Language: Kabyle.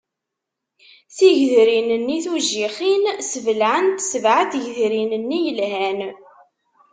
Tigedrin-nni tujjixin sbelɛent sebɛa n tgedrin-nni yelhan.